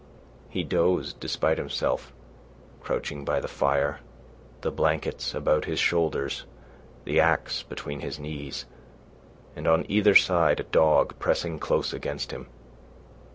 He dozed despite himself, crouching by the fire, the blankets about his shoulders, the axe between his knees, and on either side a dog pressing close against him.